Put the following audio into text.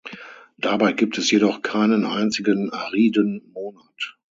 Dabei gibt es jedoch keinen einzigen ariden Monat.